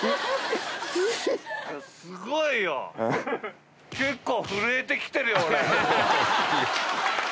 すごいよ。